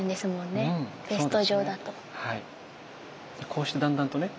こうしてだんだんとね